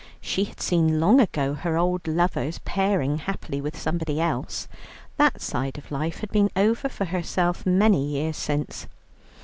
She had seen long ago her old lovers pairing happily with somebody else: that side of life had been over for herself many years since.